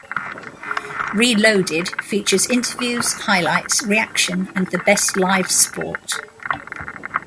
Reloaded features interviews, highlights, reaction and the best live sport.